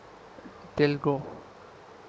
Telugu